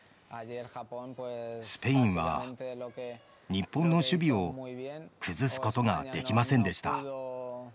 スペインは日本の守備を崩すことができませんでした。